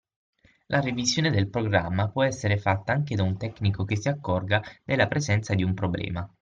La revisione del programma può essere fatta anche da un tecnico che si accorga della presenza di un problema.